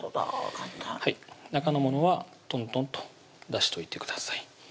簡単中のものはトントンと出しといてください